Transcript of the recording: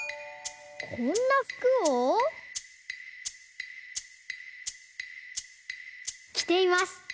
こんな服をきています。